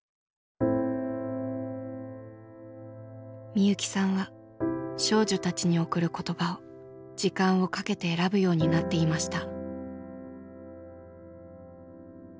みゆきさんは少女たちに送る言葉を時間をかけて選ぶようになっていました。